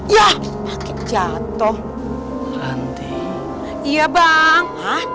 ya jatuh iya bang